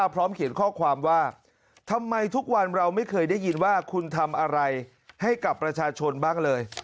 พร้อมเขียนข้อความว่าทำไมทุกวันเราไม่เคยได้ยินว่าคุณทำอะไรให้กับประชาชนบ้างเลย